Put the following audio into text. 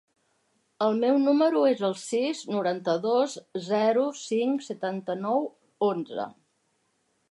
El meu número es el sis, noranta-dos, zero, cinc, setanta-nou, onze.